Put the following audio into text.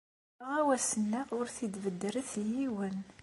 Aɣawas-nneɣ ur t-id-beddret i yiwen.